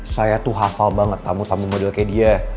saya tuh hafal banget tamu tamu model kayak dia